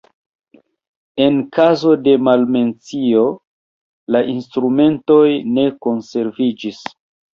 En kazo de malmencio la instrumentoj ne konserviĝis.